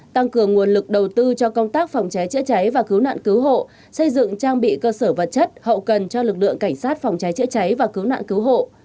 tăng cường nguồn lực đầu tư cho công tác phòng cháy chữa cháy và cứu nạn cứu hộ xây dựng trang bị cơ sở vật chất hậu cần cho lực lượng cảnh sát phòng cháy chữa cháy và cứu nạn cứu hộ